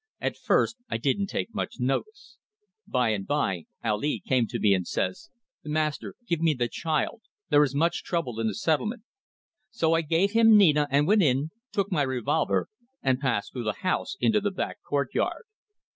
At first I didn't take much notice. By and by Ali came to me and says, 'Master, give me the child, there is much trouble in the settlement.' So I gave him Nina and went in, took my revolver, and passed through the house into the back courtyard.